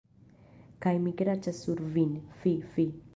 Kaj mi kraĉas sur vin, fi, fi.